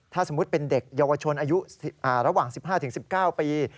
ถ้าสมมุติเป็นเด็กเยาวชนอายุระหว่าง๑๕๑๙ปี